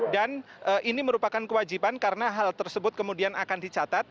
dan ini merupakan kewajiban karena hal tersebut kemudian akan dicatat